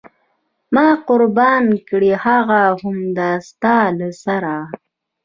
ما قربان کړ هغه هم د ستا له سره.